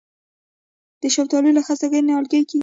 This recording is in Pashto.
د شفتالو له خستې نیالګی کیږي؟